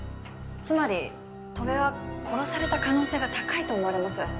つまり戸部は殺された可能性が高いと思われます。